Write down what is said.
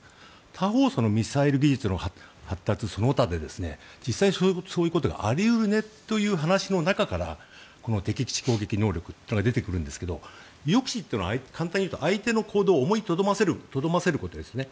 他方ミサイル技術の発達その他で実際、そういうことがあり得るねという話の中からこの敵基地攻撃能力というのが出てくるんですが抑止というのは簡単に言うと相手の行動を思いとどまらせることですね。